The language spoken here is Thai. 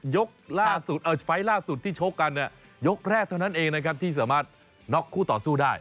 ยกฝ่ายล่าสุดที่โชคกันยกแรกเท่านั้นเองนะครับที่สามารถน็อกคู่ต่อสู้ได้